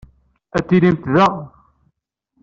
Ad tilimt da.